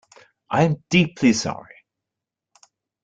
I am deeply sorry.